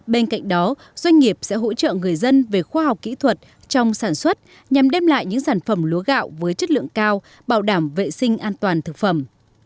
bên cạnh đó doanh nghiệp sẽ hỗ trợ người dân về khoa học kỹ thuật trong sản xuất nhằm đem lại những sản phẩm lúa gạo với chất lượng cao bảo đảm vệ sinh an toàn thực phẩm